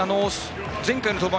前回の登板